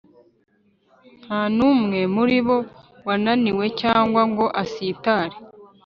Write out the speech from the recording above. Nta n’umwe muri bo wananiwe cyangwa ngo asitare,